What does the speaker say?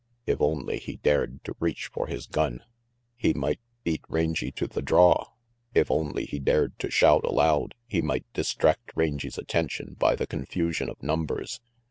If only he dared to reach for his gun, he might beat Rangy to the draw. If only he dared to shout aloud, he might distract Rangy's attention by the confusion of numbers.